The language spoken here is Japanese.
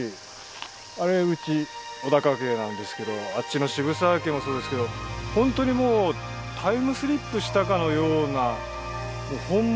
あれうち尾高家なんですけどあっちの渋沢家もそうですけど本当にもうタイムスリップしたかのようなもう本物。